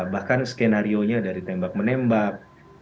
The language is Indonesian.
bahkan skenario nya dari tembak menembak